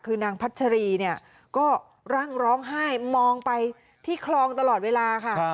คือนางพัชรีเนี่ยก็รั่งร้องไห้มองไปที่คลองตลอดเวลาค่ะ